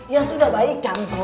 ya sudah baik cantok baikan